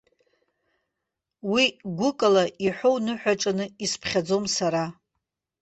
Уи гәыкала иҳәоу ныҳәаҿаны исԥхьаӡом сара.